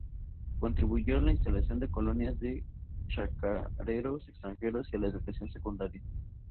Contribuyó a la instalación de colonias de chacareros extranjeros y a la educación secundaria.